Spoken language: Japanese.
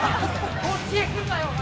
こっちへ来るなよ、お前。